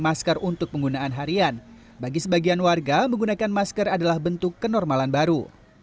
masker untuk penggunaan harian bagi sebagian warga menggunakan masker adalah bentuk kenormalan baru